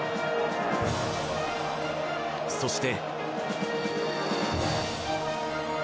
そして。